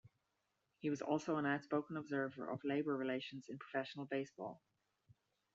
He was also an outspoken observer of labor relations in professional baseball.